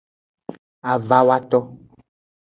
Avawoto.